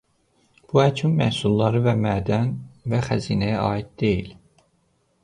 Bu əkin məhsulları və mədən və xəzinəyə aid deyil.